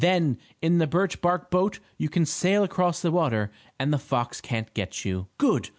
Then, in the birch bark boat you can sail across the water and the fox can't get you." "Good!